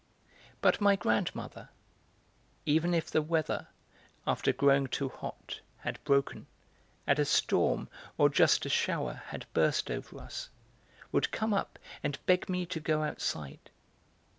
But my grandmother, even if the weather, after growing too hot, had broken, and a storm, or just a shower, had burst over us, would come up and beg me to go outside.